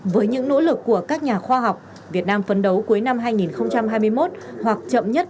với những nỗ lực của các nhà khoa học việt nam phấn đấu cuối năm hai nghìn hai mươi một hoặc chậm nhất